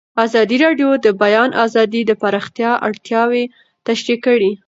ازادي راډیو د د بیان آزادي د پراختیا اړتیاوې تشریح کړي.